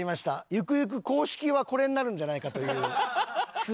ゆくゆく公式はこれになるんじゃないかという素晴らしい形が。